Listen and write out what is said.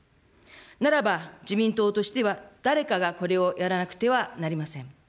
ならば、自民党としては誰かがこれをやらなくてはなりません。